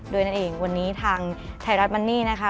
นั่นเองวันนี้ทางไทยรัฐมันนี่นะคะ